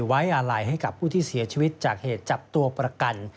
ไว้อาลัยให้กับผู้ที่เสียชีวิตจากเหตุจับตัวประกัน